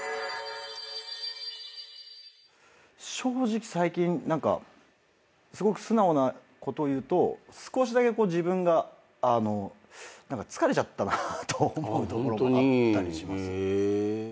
正直最近何かすごく素直なことを言うと少しだけ自分が。と思うところもあったりします。